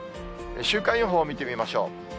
週間予報を見てみましょう。